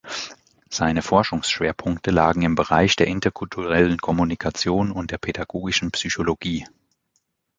Seine Forschungsschwerpunkte lagen im Bereich der interkulturellen Kommunikation und der pädagogischen Psychologie.